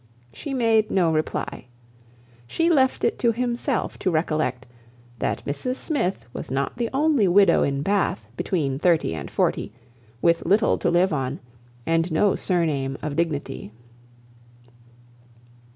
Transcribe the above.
She made no reply. She left it to himself to recollect, that Mrs Smith was not the only widow in Bath between thirty and forty, with little to live on, and no surname of dignity.